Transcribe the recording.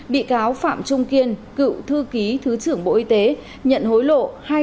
bị cáo phạm trung kiên cựu thư ký thứ trưởng bộ y tế nhận hối lộ hai trăm năm mươi năm